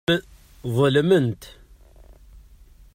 Ḍelment.